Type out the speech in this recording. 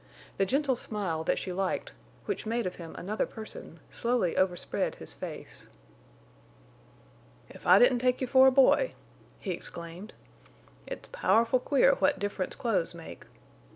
The gentle smile that she liked, which made of him another person, slowly overspread his face. "If I didn't take you for a boy!" he exclaimed. "It's powerful queer what difference clothes make.